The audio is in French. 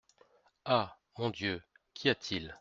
Ah ! mon Dieu ! qu’y a-t-il ?